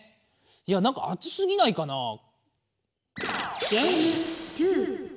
いやなんかあつすぎないかなあ？